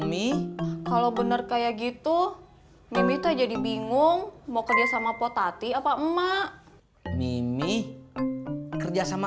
mi kalau bener kayak gitu minta jadi bingung mau kerja sama potati apa emak mimi kerja sama